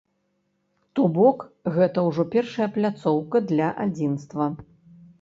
То бок, гэта ўжо першая пляцоўка для адзінства.